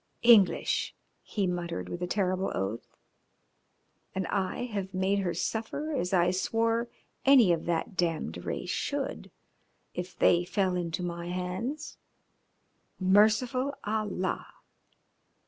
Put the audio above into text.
"English!" he muttered with a terrible oath. "And I have made her suffer as I swore any of that damned race should if they fell into my hands. Merciful Allah!